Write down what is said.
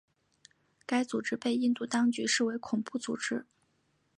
该组织被印度当局视为恐怖组织。